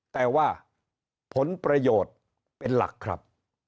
แต่ว่าผลประโยชน์เป็นหลักครับ